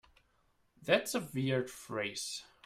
That is a weird phrase.